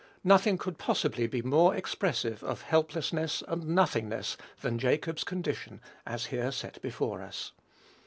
Nothing could possibly be more expressive of helplessness and nothingness than Jacob's condition as here set before us.